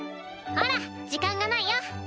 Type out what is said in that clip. ほら時間がないよ。